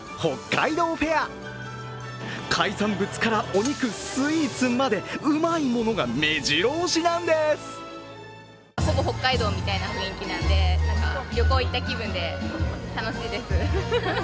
海産物からお肉、スイーツまでうまいものがめじろ押しなんです。